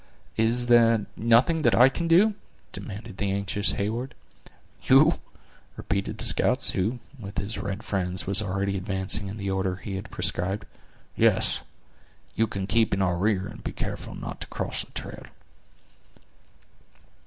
"Is there nothing that I can do?" demanded the anxious Heyward. "You?" repeated the scout, who, with his red friends, was already advancing in the order he had prescribed; "yes, you can keep in our rear and be careful not to cross the trail."